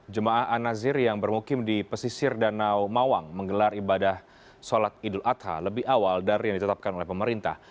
jemaah an nazir yang bermukim di pesisir danau mawang menggelar ibadah sholat idul adha lebih awal dari yang ditetapkan oleh pemerintah